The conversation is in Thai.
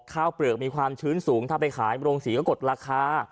เปลือกมีความชื้นสูงถ้าไปขายโรงสีก็กดราคา